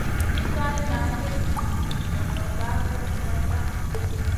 Ki kaï na geyni, nan ma gar loɓ nèhda.